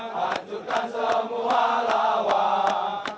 hancurkan semua lawan